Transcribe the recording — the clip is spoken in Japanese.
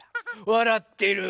わらってる。